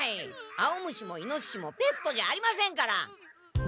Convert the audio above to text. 青虫もイノシシもペットじゃありませんから！